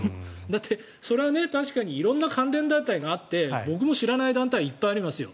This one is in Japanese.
だって、それは確かに色んな関連団体があって僕も知らない団体いっぱいありますよ。